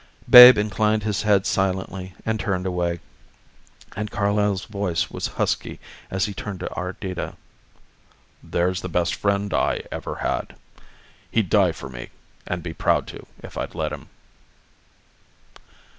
Babe inclined his head silently and turned away, and Carlyle's voice was husky as he turned to Ardita. "There's the best friend I ever had. He'd die for me, and be proud to, if I'd let him."